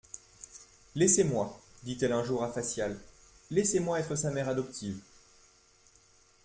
Laissez-moi, dit-elle un jour à Facial, laissez-moi être sa mère adoptive.